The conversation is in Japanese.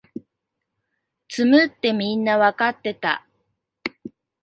詰むってみんなわかってた